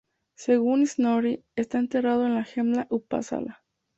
Según Snorri, está enterrado en Gamla Uppsala.